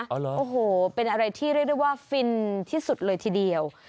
โอ้โหเป็นอะไรที่เรียกได้ว่าฟินที่สุดเลยทีเดียว